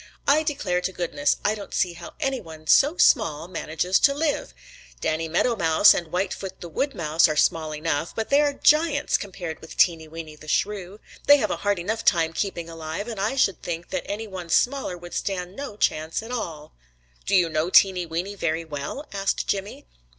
I declare to goodness, I don't see how any one so small manages to live! Danny Meadow Mouse and Whitefoot the Wood Mouse are small enough, but they are giants compared with Teeny Weeny the Shrew. They have a hard enough time keeping alive, and I should think that any one smaller would stand no chance at all." "Do you know Teeny Weeny very well?" asked Jimmy.